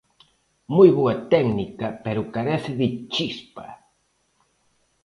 Moi boa técnica pero carece de chispa.